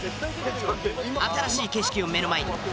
新しい景色を目の前に。